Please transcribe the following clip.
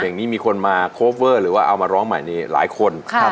อย่างนี้มีคนมาโคเวอร์หรือว่าเอามาร้องใหม่นี่หลายคน